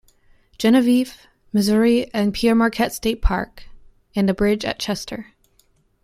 Genevieve, Missouri and Pere Marquette State Park, and a bridge at Chester.